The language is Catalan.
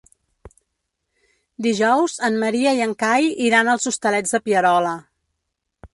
Dijous en Maria i en Cai iran als Hostalets de Pierola.